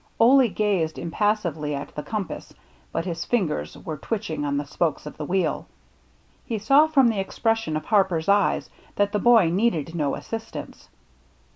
Ole gazed impassively at the com pass, but his fingers were twitching on the spokes of the wheel ; he saw from the expres sion of Harper's eyes that the boy needed no assistance.